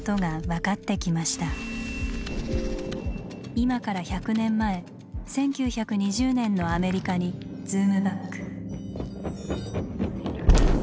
今から１００年前１９２０年のアメリカにズームバック。